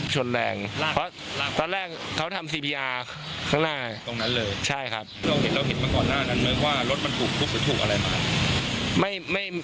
เราเห็นมาก่อนหน้านั้นรถมันถูกหรือถูกอะไรมา